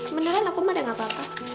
sebenernya aku mah udah gak apa apa